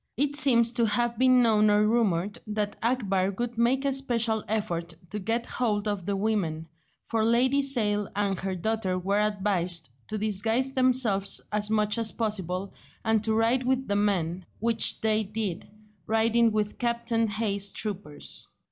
It seems to have been known or rumoured that Akbar would make a special effort to get hold of the women, for Lady Sale and her daughter were advised to disguise themselves as much as possible, and to ride with the men, which they did, riding with Captain Hay's troopers.